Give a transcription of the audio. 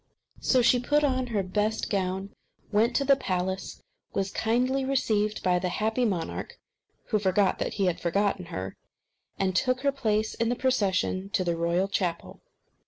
So she put on her best gown, went to the palace, was kindly received by the happy monarch, who forgot that he had forgotten her, and took her place in the procession to the royal chapel.